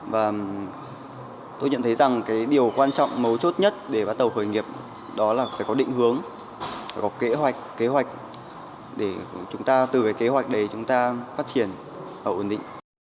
và tôi nhận thấy rằng cái điều quan trọng mấu chốt nhất để bắt đầu khởi nghiệp đó là phải có định hướng phải có kế hoạch kế hoạch để chúng ta từ cái kế hoạch đấy chúng ta phát triển ổn định